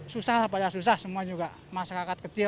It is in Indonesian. susah lah pada susah semua juga masyarakat kecil